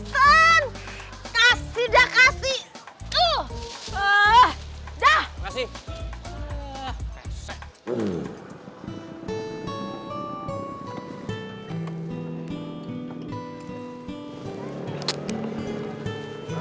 sen kasih dah kasih